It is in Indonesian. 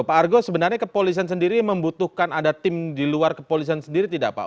pak argo sebenarnya kepolisian sendiri membutuhkan ada tim di luar kepolisian sendiri tidak pak